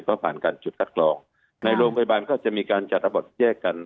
ก็ผ่านการจุดคัดกรองในโรงพยาบาลก็จะมีการจัดระบบแยกกัน